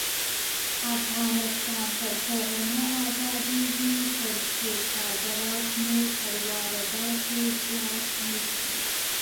افغانستان تر هغو نه ابادیږي، ترڅو صادرات مو تر وارداتو زیات نشي.